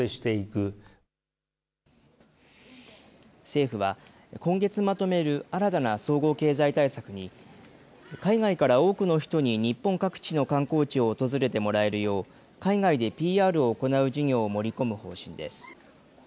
政府は、今月まとめる新たな総合経済対策に、海外から多くの人に日本各地の観光地を訪れてもらえるよう、海外でＰＲを行う事業を盛り込む方針です。